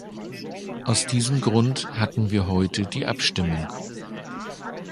Aus diesem Grund hatten wir heute die Abstimmung.